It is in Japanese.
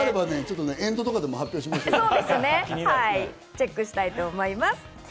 エンドとかチェックしたいと思います。